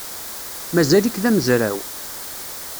Mazal-ik d amezraw?